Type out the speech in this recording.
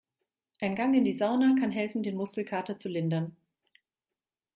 Ein Gang in die Sauna kann helfen, den Muskelkater zu lindern.